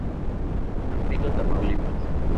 Tampico, Tamaulipas.